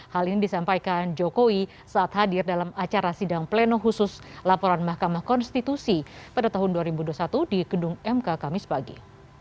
hal ini disampaikan jokowi saat hadir dalam acara sidang pleno khusus laporan mahkamah konstitusi pada tahun dua ribu dua puluh satu di gedung mk kamis pagi